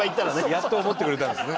やっと思ってくれたんですね。